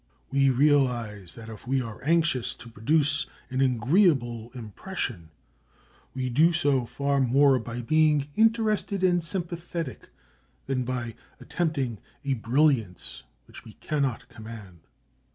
We realise that if we are anxious to produce an agreeable impression, we do so far more by being interested and sympathetic, than by attempting a brilliance which we cannot command.